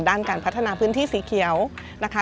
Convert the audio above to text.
ด้านการพัฒนาพื้นที่สีเขียวนะคะ